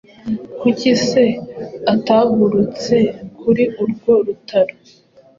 kuki se atagurutse kuri urwo rutaro?